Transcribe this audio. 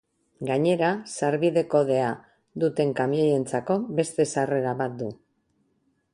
Gainera, sarbide-kodea duten kamioientzako beste sarrera bat du.